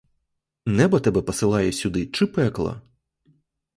Небо тебе посилає сюди чи пекло?